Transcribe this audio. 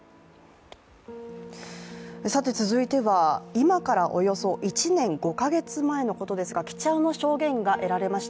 続いては、今からおよそ１年５か月前のことですが貴重な証言が得られました。